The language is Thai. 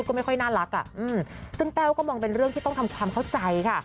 ก็ไม่ค่อยน่ารักอย่างเป็นเรื่องที่ต้องทำความเข้าใจค่ะ